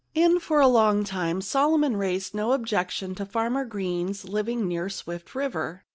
And for a long time Solomon raised no objection to Farmer Green's living near Swift River.